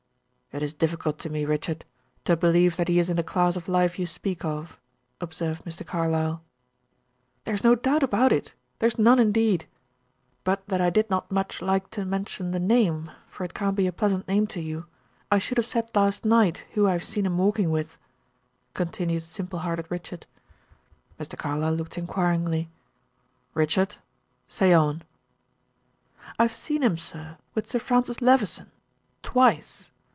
"It is difficult to me Richard, to believe that he is in the class of life you speak of," observed Mr. Carlyle. "There's no doubt about it; there's none indeed. But that I did not much like to mention the name, for it can't be a pleasant name to you, I should have said last night who I have seen him walking with," continued simple hearted Richard. Mr. Carlyle looked inquiringly. "Richard say on." "I have seen him, sir, with Sir Francis Levison, twice.